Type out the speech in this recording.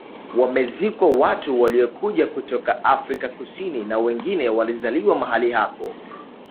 Wamezikwa watu waliokuja kutoka Afrika Kusini na wengine walizaliwa mahali hapo